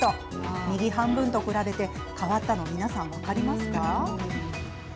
右半分と比べて皆さん変わったの分かりますか？